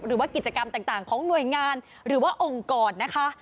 หรือว่ากิจกรรมต่างของหน่วยงานหรือว่าองค์กรนะคะ